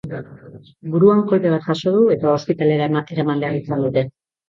Buruan kolpe bat jaso du eta ospitalera eraman behar izan dute.